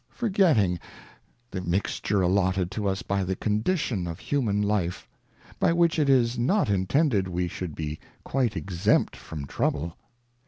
forgetting the Mixture allotted to us by the Condition of Human Life, by which it is not intended we should be quite exempt from trouble.